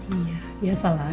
iya biasa lah